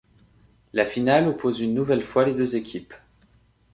La finale oppose une nouvelle fois les deux équipes.